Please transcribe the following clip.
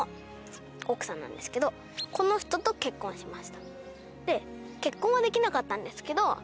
この人と結婚しました。